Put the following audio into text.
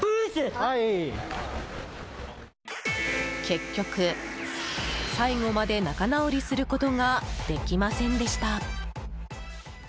結局最後まで仲直りすることができませんでした。